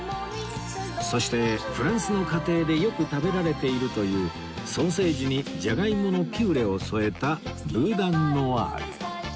そしてフランスの家庭でよく食べられているというソーセージにジャガイモのピューレを添えたブーダン・ノワール